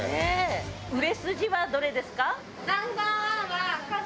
売れ筋はどれですか？